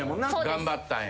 頑張ったんや。